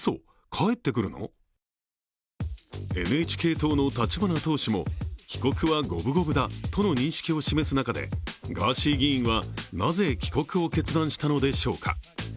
ＮＨＫ党の立花党首も帰国は五分五分だとの認識を示す中でガーシー議員は、なぜ帰国を決断したのでしょうか。